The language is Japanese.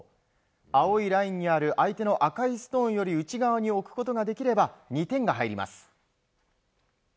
青いラインにある相手の赤いストーンより内側に置くことができれば２点が入ります。